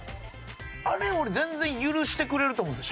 あれ俺全然許してくれると思うんですよ。